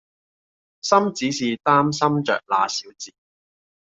心只是擔心著那小子